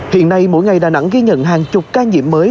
hiện nay mỗi ngày đà nẵng ghi nhận hàng chục ca nhiễm mới